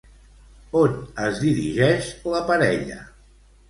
On es dirigeix la parella?